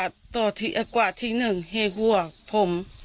เอาโปรดหน้าน้อไว้กว่าทีหนึ่งเห้ยหัวผม